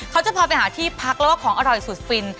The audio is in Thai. เขาจะพาไปหาที่พักแล้วก็ของอร่อยสุดฟิน